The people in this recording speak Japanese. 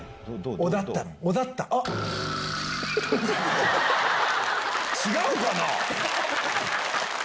小田った、違うかな？